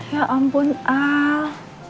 ya ampun al